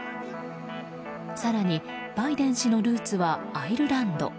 更に、バイデン氏のルーツはアイルランド。